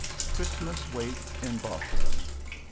CHRISTMAS WAITS IN BOSTON.